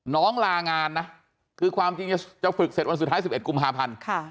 ลางานนะคือความจริงจะฝึกเสร็จวันสุดท้าย๑๑กุมภาพันธ์